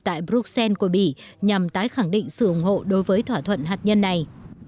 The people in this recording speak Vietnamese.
tại bruxelles của bỉ nhằm tái khẳng định sự ủng hộ đối với thỏa thuận hạt nhân này